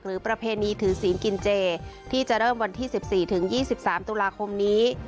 ประเพณีถือศีลกินเจที่จะเริ่มวันที่๑๔ถึง๒๓ตุลาคมนี้